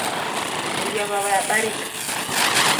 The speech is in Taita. Nyungu ya w'aw'a yabarika